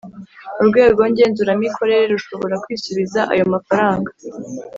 Urwego ngenzuramikorere rushobora kwisubiza ayo mafaranga